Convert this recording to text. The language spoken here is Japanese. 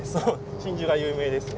真珠が有名ですね。